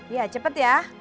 ya cepet ya